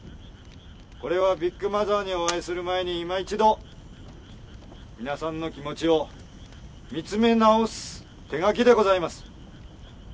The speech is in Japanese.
これはビッグマザーにお会いする前にいま一度皆さんの気持ちを見つめ直す手書きでございます。